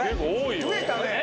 増えたね！